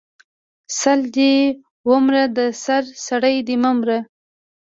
سل دی ومره د سر سړی د مه مره